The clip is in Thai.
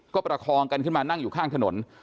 ก็ประคองกันขึ้นมานั่งอยู่ข้างถนน